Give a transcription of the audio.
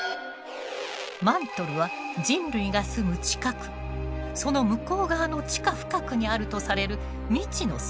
マントルは人類が住む地殻その向こう側の地下深くにあるとされる未知の層。